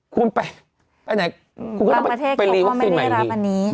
คุณก็ต้องไปรีวัคซีนใหม่ดี